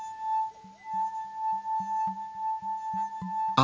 あ！